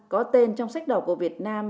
có tên trong sách đỏ của việt nam